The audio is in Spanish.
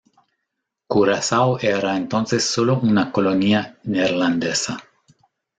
Curazao era entonces solo una colonia neerlandesa.